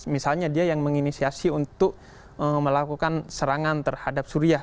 misalnya dia yang menginisiasi untuk melakukan serangan terhadap suriah